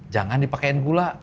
jangan dipakai gula